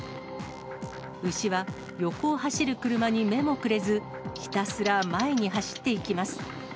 牛は横を走る車に目もくれず、ひたすら前に走っていきます。